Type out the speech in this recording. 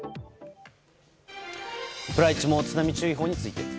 プライチも津波注意報について。